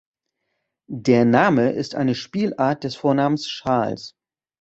Der Name ist eine Spielart des Vornamens Charles.